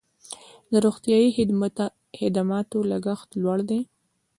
د روغتیايي خدماتو لګښت لوړ دی